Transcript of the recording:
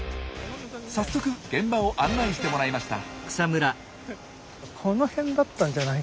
早速現場を案内してもらいました。